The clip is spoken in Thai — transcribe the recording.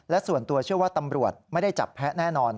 และส่วนตัวเชื่อว่าตำรวจไม่ได้จับแพ้แน่นอน